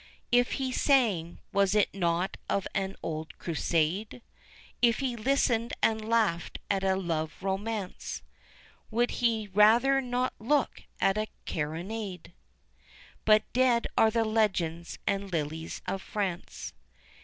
If he sang, was it not of an old Crusade? If he listened and laughed at a love romance, Would he rather not look at a carronade? But dead are the legends and lilies of France.